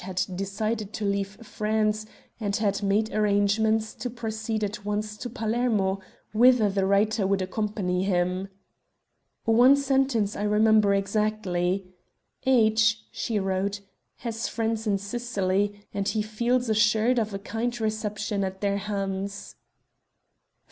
had decided to leave France, and had made arrangements to proceed at once to Palermo, whither the writer would accompany him. "One sentence I remember exactly: 'H.,' she wrote, 'has friends in Sicily, and he feels assured of a kind reception at their hands.'"